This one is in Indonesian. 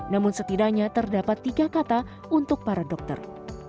namun setidaknya terdapat tiga kata untuk para dokter